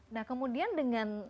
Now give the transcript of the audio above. nah kemudian dengan